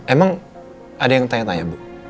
emang ada yang tanya tanya bu